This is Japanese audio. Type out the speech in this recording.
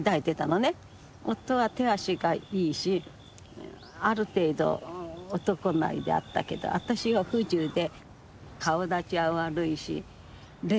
夫は手足がいいしある程度男前であったけど私は不自由で顔立ちは悪いし劣等感の塊。